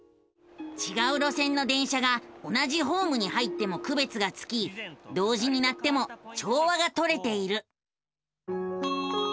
ちがう路線の電車が同じホームに入ってもくべつがつき同時に鳴っても調和がとれている。